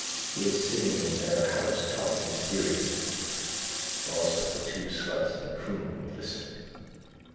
He is sitting in their house, talking. Mysterious. Also the two sluts in the Coombe would listen.